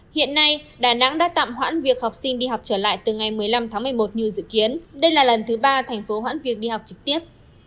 hiện nay đà nẵng đã tạm hoãn việc học sinh đi học trở lại từ ngày một mươi năm tháng một mươi một như dự kiến đây là lần thứ ba thành phố hoãn việc đi học trực tiếp